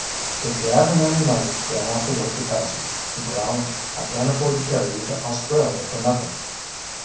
"If you haven't any money, you'll have to work your passage," he growled. "I can't afford to carry you to Australia for nothing."